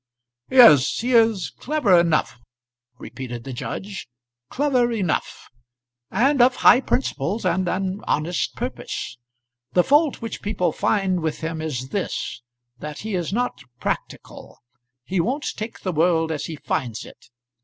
"Yes, he is clever enough," repeated the judge, "clever enough; and of high principles and an honest purpose. The fault which people find with him is this, that he is not practical. He won't take the world as he finds it.